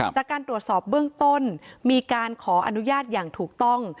จากการตรวจสอบเบื้องต้นมีการขออนุญาตอย่างถูกต้อง